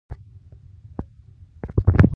سلیمان غر د افغانانو د ګټورتیا یوه بنسټیزه برخه ده.